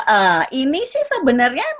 ee ini sih sebenarnya